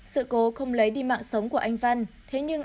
sự cố không lấy đi mạng sống của anh văn thế nhưng